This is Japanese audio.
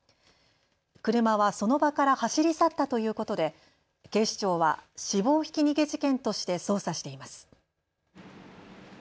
車はその場から走り去ったということで警視庁は死亡ひき逃げ事件として捜査しています。